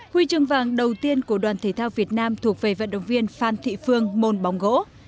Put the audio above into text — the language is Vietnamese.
huy chương vàng đầu tiên của đoàn thể thao việt nam thuộc về vận động viên phan thị phương môn bóng gỗ